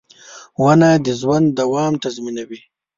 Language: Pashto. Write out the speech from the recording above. • ونه د ژوند دوام تضمینوي.